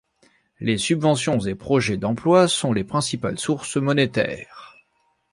Les subventions et projets d'emploi sont les principales sources monétaires.